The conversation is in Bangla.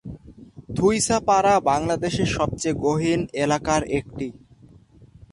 থুইসাপাড়া বাংলাদেশের সবচেয়ে গহীন এলাকার একটি।